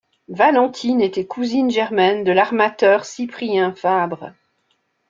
Valentine était cousine germaine de l’armateur Cyprien Fabre.